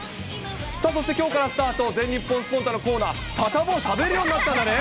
さあそしてきょうからスタート、全日本スポンタっコーナー、サタボーしゃべるようになったんだね。